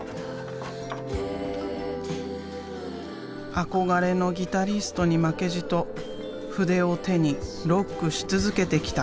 憧れのギタリストに負けじと筆を手にロックし続けてきた。